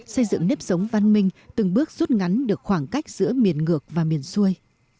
xây dựng nếp sống văn minh từng bước rút ngắn được khoảng cách giữa miền ngược và miền xuôi